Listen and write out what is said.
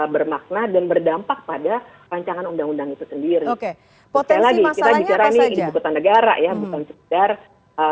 bermakna dan berdampak pada rancangan undang undang itu sendiri oke potensi masalahnya saja negara